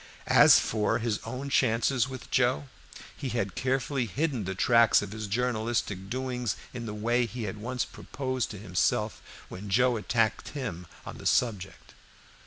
As for his own chances with Joe, he had carefully hidden the tracks of his journalistic doings in the way he had at once proposed to himself when Joe attacked him on the subject.